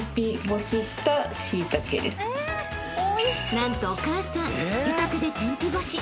［なんとお母さん自宅で天日干し］